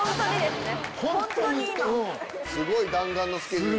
すごい弾丸のスケジュール。